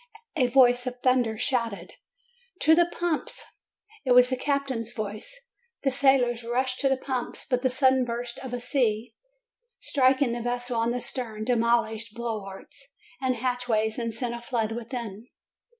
A voice of thunder shouted: "To the pumps!" It was the captain's voice. The sailors rushed to the pumps. But a sudden burst of the sea, striking the vessel on the stern, demolished bulwarks and hatch ways, and sent a flood within.